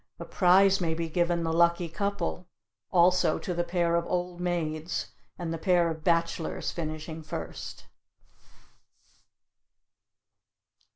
A prize may be given the lucky couple, also to the pair of old maids and the pair of bachelors finishing first.